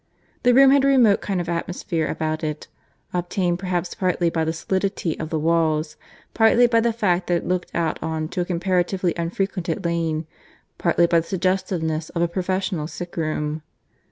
The room had a remote kind of atmosphere about it, obtained perhaps partly by the solidity of the walls, partly by the fact that it looked out on to a comparatively unfrequented lane, partly by the suggestiveness of a professional sick room.